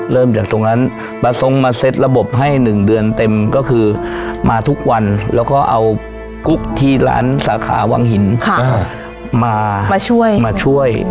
เริ่มจากตรงนั้นป้าทรงมาเซ็ตระบบให้๑เดือนเต็มก็คือมาทุกวันแล้วก็เอากุ๊กที่ร้านสาขาวังหินมาช่วยมาช่วย